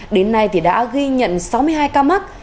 đến nay thì đã ghi nhận sáu mươi hai ca mắc